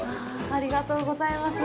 ありがとうございます。